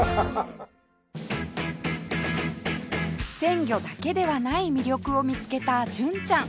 鮮魚だけではない魅力を見つけた純ちゃん